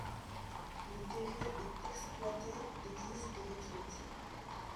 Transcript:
Le terril est exploité, l'église est détruite.